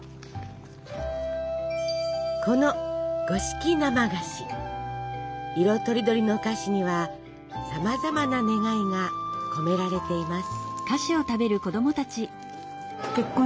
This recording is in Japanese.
この色とりどりの菓子にはさまざまな願いが込められています。